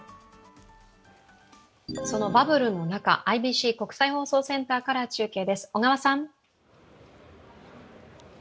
そのバブルの中、ＩＢＣ＝国際放送センターから中継です。